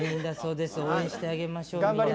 応援してあげましょう。